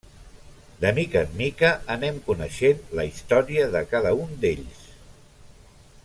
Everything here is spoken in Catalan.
De mica en mica anem coneixent la història de cada un d’ells.